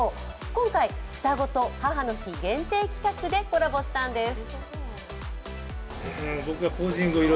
今回、ふたごと母の日限定企画でコラボしたんです。